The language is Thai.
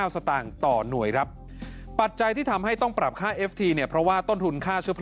สตางค์ต่อหน่วยครับปัจจัยที่ทำให้ต้องปรับค่าเอฟทีเนี่ยเพราะว่าต้นทุนค่าเชื้อเพลิง